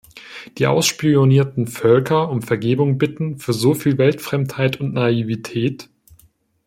Die ausspionierten Völker um Vergebung bitten für so viel Weltfremdheit und Naivität?